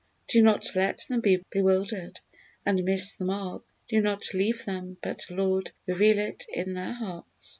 Do not let them be bewildered and miss the mark; do not leave them, but Lord, reveal it in their hearts."